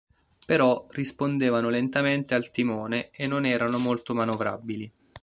Però, rispondevano lentamente al timone e non erano molto manovrabili.